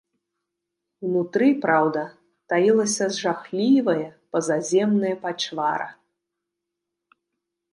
Унутры, праўда, таілася жахлівае пазаземныя пачвара.